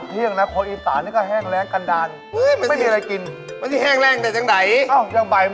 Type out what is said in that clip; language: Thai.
นี่ที่๑๑โมงยังนั่งเศร้าอยู่เลยเห็นไหม